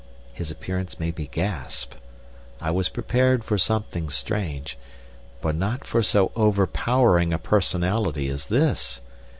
His appearance made me gasp. I was prepared for something strange, but not for so overpowering a personality as this.